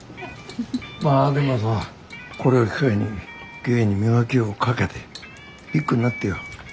まぁでもさこれを機会に芸に磨きをかけてビッグになってよ。